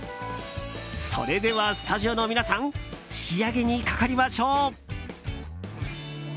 それではスタジオの皆さん仕上げにかかりましょう！